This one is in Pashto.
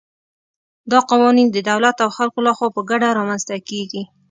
دا قوانین د دولت او خلکو له خوا په ګډه رامنځته کېږي.